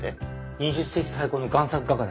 ２０世紀最高の贋作画家だよ。